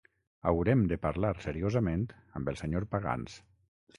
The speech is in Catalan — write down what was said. Haurem de parlar seriosament amb el senyor Pagans.